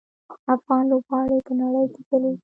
افغان لوبغاړي په نړۍ کې ځلیږي.